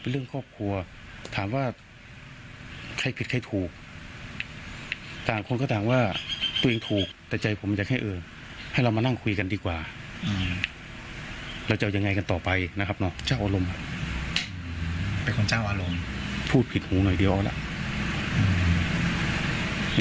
เป็นคนเจ้าอารมณ์พูดผิดหูหน่อยเดี๋ยวออกแล้ว